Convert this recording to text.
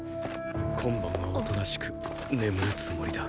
今晩はおとなしく眠るつもりだ。